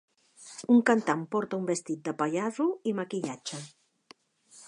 Un cantant porta un vestit de pallasso i maquillatge.